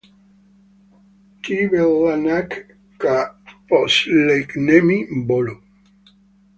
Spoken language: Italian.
Ты вела нас к последнему бою.